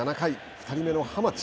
２人目の浜地。